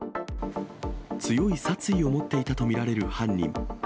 強い殺意を持っていたと見られる犯人。